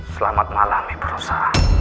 selamat malam ibu rosa